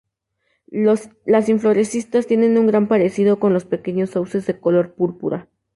Las inflorescencias tienen un gran parecido con los pequeños sauces de color púrpura.